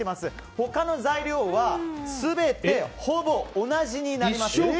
他の材料は全てほぼ同じになります。